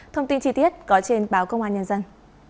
thông tin chi tiết có trên báo công an nhân dân